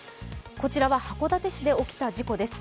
こちらは函館市で起きた事故です。